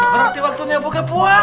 nanti buru buru aja nih